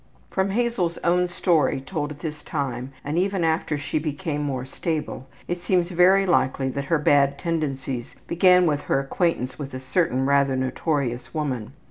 From Hazel's own story told at this time and even after she became more stable it seems very likely that her bad tendencies began with her acquaintance with a certain rather notorious woman.